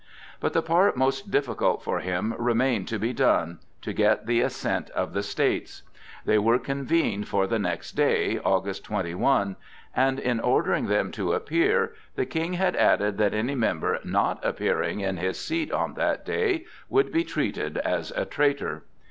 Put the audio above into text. But the part most difficult for him remained to be done,—to get the assent of the States. They were convened for the next day, August 21, and in ordering them to appear, the King had added that any member not appearing in his seat on that day would be treated as a traitor.